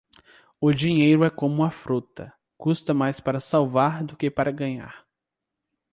O dinheiro é como a fruta, custa mais para salvar do que para ganhar.